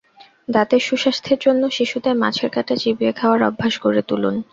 দাঁতের সুস্বাস্থ্যের জন্য শিশুদের মাছের কাঁটা চিবিয়ে খাওয়ার অভ্যাস গড়ে তুলুন।